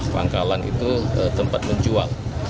pangkalan itu tempat menjual